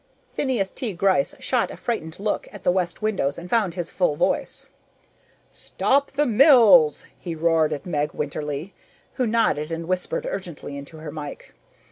Phineas T. Gryce shot a frightened look at the west windows and found his full voice. "Stop the mills!" he roared at Meg Winterly, who nodded and whispered urgently into her mike.